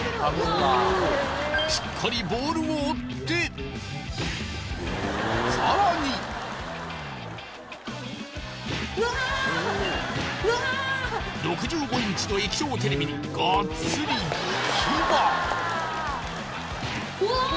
しっかりボールを追ってさらにうわあ６５インチの液晶テレビにガッツリキバうわあ